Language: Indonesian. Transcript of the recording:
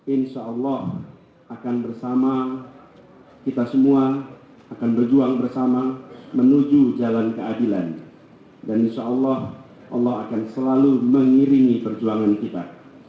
insya allah akan bersama kita semua akan berjuang bersama menuju jalan keadilan dan insya allah allah akan selalu mengiringi perjuangan kita